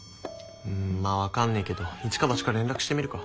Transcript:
うんまあ分かんないけどイチかバチか連絡してみるか。